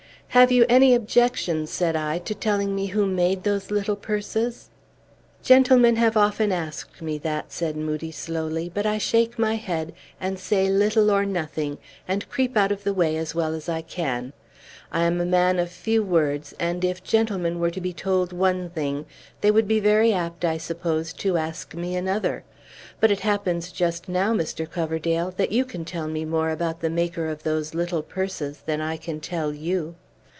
"Have you any objection," said I, "to telling me who made those little purses?" "Gentlemen have often asked me that," said Moodie slowly; "but I shake my head, and say little or nothing, and creep out of the way as well as I can. I am a man of few words; and if gentlemen were to be told one thing, they would be very apt, I suppose, to ask me another. But it happens just now, Mr. Coverdale, that you can tell me more about the maker of those little purses than I can tell you."